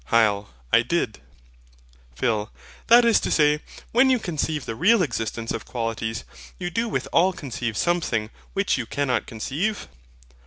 HYL. I did. PHIL. That is to say, when you conceive the real existence of qualities, you do withal conceive Something which you cannot conceive?